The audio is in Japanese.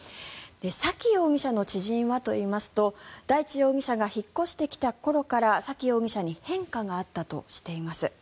沙喜容疑者の知人はといいますと大地容疑者が引っ越してきた頃から沙喜容疑者に変化があったとしています。